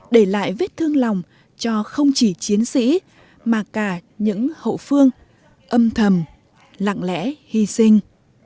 để lại vết thương lòng cho không chỉ chiến sĩ mà cả những hậu phương âm thầm lặng lẽ hy sinh